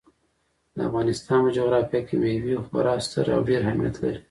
د افغانستان په جغرافیه کې مېوې خورا ستر او ډېر اهمیت لري.